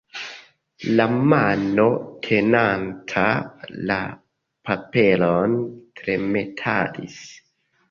La mano tenanta la paperon tremetadis.